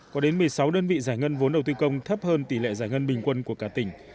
có đến một mươi sáu đơn vị giải ngân vốn đầu tư công thấp hơn tỷ lệ giải ngân bình quân của cả tỉnh